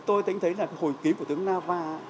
tôi thấy hồi ký của tướng nga hoa